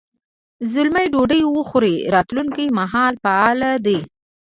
زلمی ډوډۍ وخوري راتلونکي مهال فعل دی.